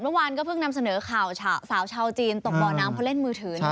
เมื่อวานก็เพิ่งนำเสนอข่าวสาวชาวจีนตกบ่อน้ำเพราะเล่นมือถือ